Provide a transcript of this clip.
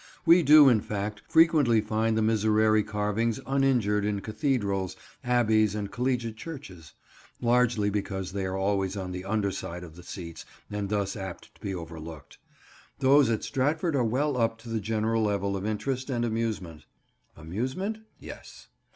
We do, in fact, frequently find the miserere carvings uninjured in cathedrals, abbeys and collegiate churches; largely because they are always on the underside of the seats and thus apt to be overlooked. Those at Stratford are well up to the general level of interest and amusement. Amusement? Yes.